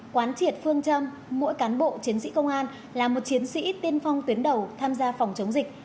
quán triệt phương châm mỗi cán bộ chiến sĩ công an là một chiến sĩ tiên phong tuyến đầu tham gia phòng chống dịch